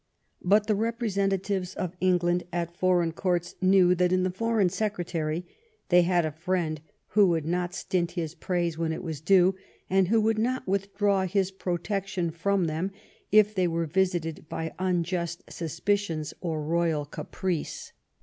But the representatives of England at foreign courts knew that in the Foreign Secretary they had a friend who would not stint his praise when it was due, and who would not withdraw his protection from them if they were visited by unjust isuspicions or royal caprice.